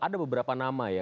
ada beberapa nama ya